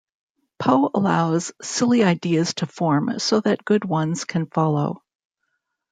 Po allows silly ideas to form so that good ones can follow.